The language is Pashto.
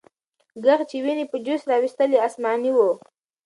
ږغ چې ويني په جوش راوستلې، آسماني و.